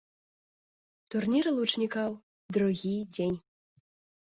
Турнір лучнікаў, другі дзень.